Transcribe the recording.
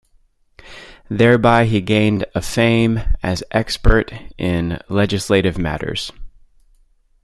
Thereby he gained a fame as expert in legislative matters.